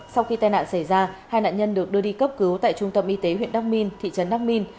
sau khi tai nạn xảy ra hai nạn nhân được đưa đi cấp cứu tại trung tâm y tế huyện đắc minh thị trấn đắc minh